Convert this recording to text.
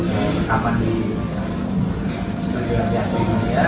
rekaman di sepedulian pihak dunia